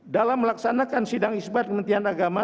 dalam melaksanakan sidang isbat kementerian agama